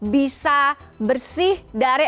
bisa bersih dari